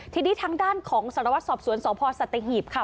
ทีนี้ทางด้านของสารวัตรสอบสวนสพสัตหีบค่ะ